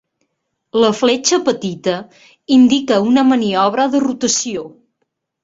La fletxa petita indica una maniobra de rotació.